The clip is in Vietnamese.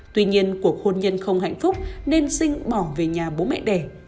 tuy nhiên cuộc hôn nhân không hạnh phúc nên sinh bỏ về nhà bố mẹ đẻ